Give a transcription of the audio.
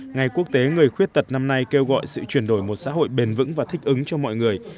ngày quốc tế người khuyết tật năm nay kêu gọi sự chuyển đổi một xã hội bền vững và thích ứng cho mọi người